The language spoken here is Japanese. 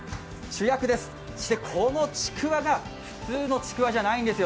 主役です、そしてこのちくわが普通のちくわじゃないんです。